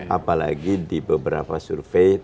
apalagi di beberapa survei